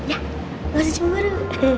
enggak usah cemburu